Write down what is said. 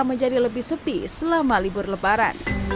menjadi lebih sepi selama libur lebaran